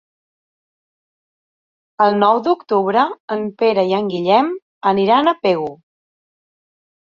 El nou d'octubre en Pere i en Guillem aniran a Pego.